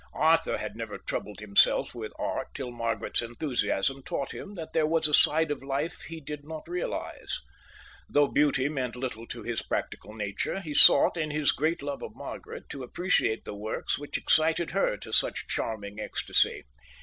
Arthur had never troubled himself with art till Margaret's enthusiasm taught him that there was a side of life he did not realize. Though beauty meant little to his practical nature, he sought, in his great love for Margaret, to appreciate the works which excited her to such charming ecstasy.